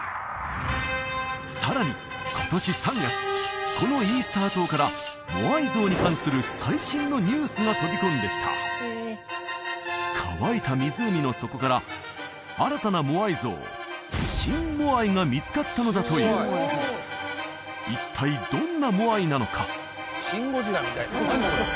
さらに今年３月このイースター島からモアイ像に関する最新のニュースが飛び込んできた乾いた湖の底から新たなモアイ像が見つかったのだという一体どんなモアイなのか？